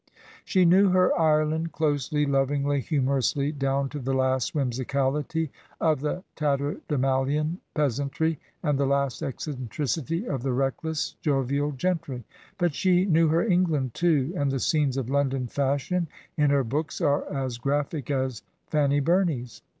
She knew her Ireland closely, lovingly, himiorously, down to the last whimsicality of the tatterdemalion peasantry and the last eccentricity of the reckless, jovial gentry; but she knew her England, too, and the scenes of London fashion in her books are as graphic as Fanny Bumey's.